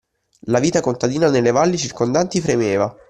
La vita contadina nelle valli circondanti fremeva.